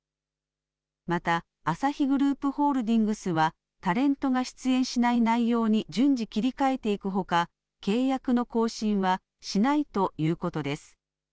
また、アサヒグループホールディングスは、タレントが出演しない内容に順次、切り替えていくほか、契約の更新はしないということです。